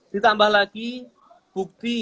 ditambah lagi bukti